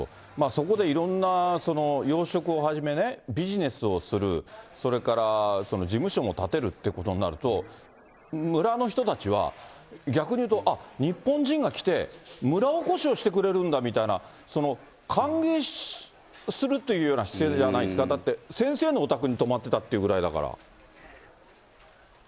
そこでいろんな養殖をはじめ、ビジネスをする、それから事務所も建てるっていうことになると、村の人たちは逆に言うと、あっ、日本人が来て、村おこしをしてくれるんだみたいな、歓迎するというような姿勢ではないんですか、だって、先生のお宅に泊まってたってぐらいだから。